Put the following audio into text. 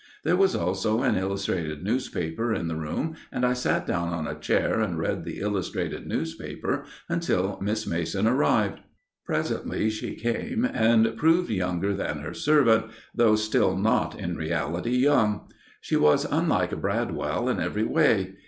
There was also an illustrated newspaper in the room, and I sat down on a chair and read the illustrated newspaper until Miss Mason arrived. Presently she came, and proved younger than her servant, though still not in reality young. She was unlike Bradwell in every way.